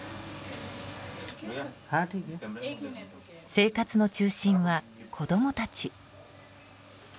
生活の中心は子供たち。